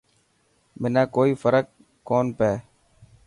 منا ڪوئي فرڪ ڪون پيي.